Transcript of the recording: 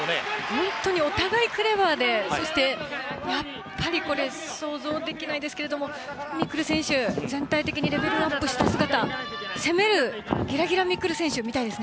本当に、お互いクレバーでそして、やっぱり想像できないですけど未来選手、全体的にレベルアップした姿攻めるギラギラ未来選手を見たいです。